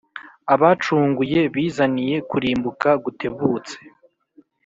Abacunguye bizaniye kurimbuka gutebutse .